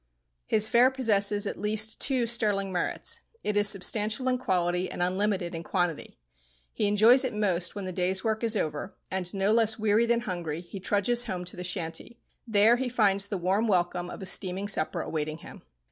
His fare possesses at least two sterling merits. It is substantial in quality and unlimited in quantity. He enjoys it most when the day's work is over, and, no less weary than hungry, he trudges home to the shanty. There he finds the warm welcome of a steaming supper awaiting him.